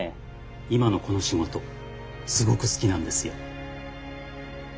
今のこの仕事すごく好きなんですよ。